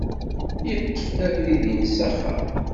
Yeṭṭef-d abrid-ines s axxam.